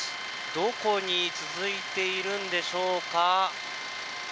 どこに続いているんでしょうか。